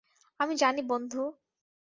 আমি জানি বন্ধু।